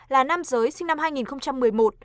là nam giới sinh năm hai nghìn một mươi một